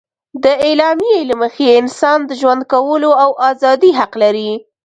د اعلامیې له مخې انسان د ژوند کولو او ازادي حق لري.